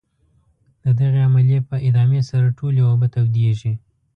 د دغې عملیې په ادامې سره ټولې اوبه تودیږي.